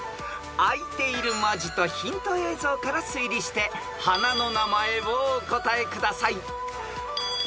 ［開いている文字とヒント映像から推理して花の名前をお答えください］